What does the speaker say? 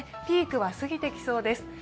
ピークは過ぎてきそうです。